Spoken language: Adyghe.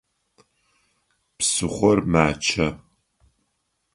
Псыхъор мачъэ.